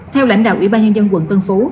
theo lãnh đạo ủy ban nhân dân quận tân phú